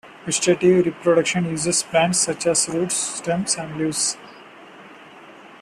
Vegetative reproduction uses plants parts such as roots, stems and leaves.